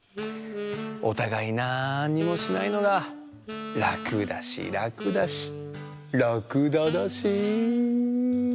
おたがいなんにもしないのがらくだしらくだしらくだだし。